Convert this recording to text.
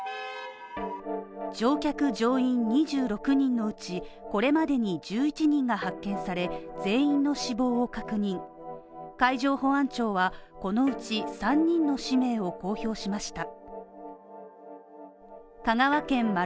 乗客乗員２６人のうち、これまでに１１人が発見され全員の死亡を確認、海上保安庁はこのうち３人の氏名を公表しました。